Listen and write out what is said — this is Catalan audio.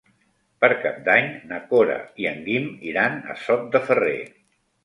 Per Cap d'Any na Cora i en Guim iran a Sot de Ferrer.